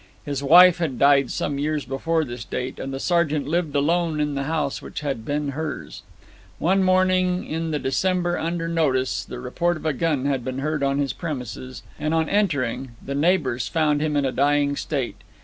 His wife had died some years before this date, and the sergeant lived alone in the house which had been hers. One morning in the December under notice the report of a gun had been heard on his premises, and on entering the neighbours found him in a dying state.